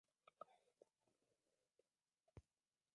La capacidad es de hasta veinte mil pasajeros por día.